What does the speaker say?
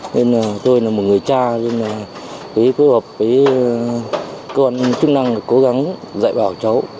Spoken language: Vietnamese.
nên là tôi là một người cha nên là với phối hợp với cơ quan chức năng là cố gắng dạy bảo cháu